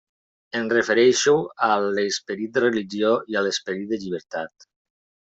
Em refereixo a l'esperit de religió i a l'esperit de llibertat.